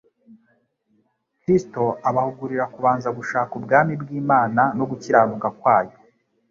Kristo abahugurira kubanza gushaka ubwami bw'Imana no gukiranuka kwayo,